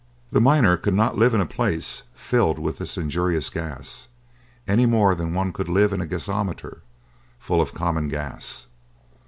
The miner could not live in a place filled with this injurious gas, any more than one could live in a gasometer full of common gas.